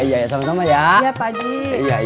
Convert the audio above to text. ikut berbicara sama agak